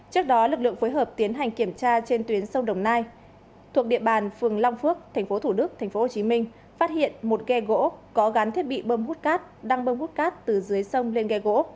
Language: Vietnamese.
trước đó lực lượng phối hợp tiến hành kiểm tra trên tuyến sông đồng nai thuộc địa bàn phường long phước tp thủ đức tp hcm phát hiện một ghe gỗ có gắn thiết bị bơm hút cát đang bơm hút cát từ dưới sông lên ghe gỗ